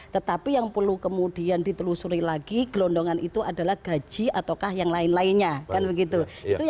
tetapi yang perlu kemudian ditelusuri lagi gelondongan itu adalah gaji ataukah yang lain lainnya kan begitu